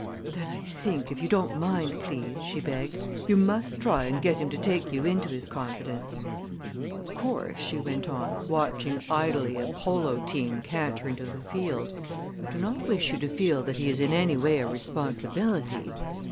"Then I think, if you don't mind, please," she begged, "you must try and get him to take you into his confidence. Of course," she went on, watching idly a polo team canter into the field, "I do not wish you to feel that he is in any way a responsibility.